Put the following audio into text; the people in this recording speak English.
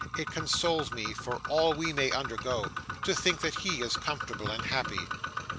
It consoles me for all we may undergo, to think that he is comfortable and happy.